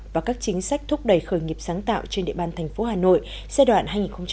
và các chính sách thúc đẩy khởi nghiệp sáng tạo trên địa bàn thành phố hà nội giai đoạn hai nghìn hai mươi hai nghìn hai mươi năm